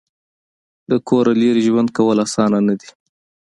د کوره لرې ژوند کول اسانه نه دي.